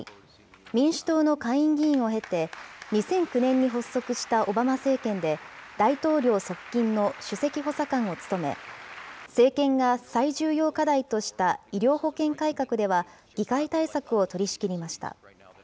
民主党の下院議員を経て、２００９年に発足したオバマ政権で、大統領側近の首席補佐官を務め、政権が最重要課題とした医療保険改革では、議会対策を取りしきりました。